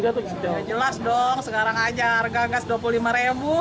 udah jelas dong sekarang aja harga gas rp dua puluh lima